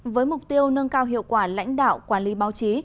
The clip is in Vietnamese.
với mục tiêu nâng cao hiệu quả lãnh đạo quản lý báo chí